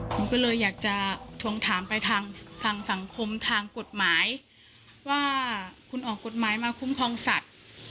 ผมก็เลยอยากจะทวงถามไปทางสังคมทางกฎหมายว่าคุณออกกฎหมายมาคุ้มครองสัตว์